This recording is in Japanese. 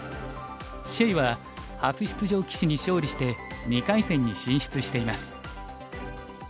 謝は初出場棋士に勝利して２回戦に進出しています。